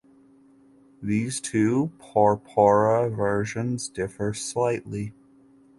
These two Porpora versions differ slightly.